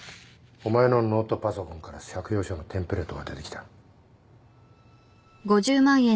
お前のノートパソコンから借用書のテンプレートが出てきた。